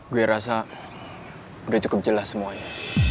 gue rasa udah cukup jelas semuanya